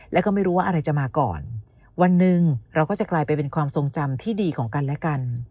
แล้วก็ไม่รู้ว่าอะไรจะมาก่อนวันหนึ่งเราก็จะกลายไปเป็นความทรงจำที่ดีของกันและกัน